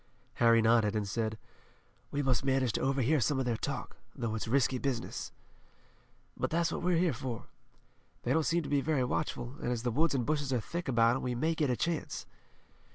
Harry nodded, and said: "We must manage to overhear some of their talk, though it's risky business." "But that's what we're here for. They don't seem to be very watchful, and as the woods and bushes are thick about 'em we may get a chance."